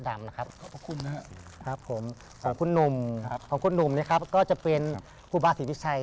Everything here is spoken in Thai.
ได้ครับขอบคุณค่ะ